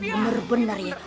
umur benar ya